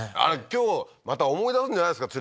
今日また思い出すんじゃないですか？